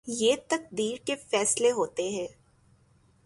یہ تقدیر کے فیصلے ہوتے ہیں۔